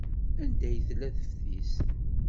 Anda ay tella teftist?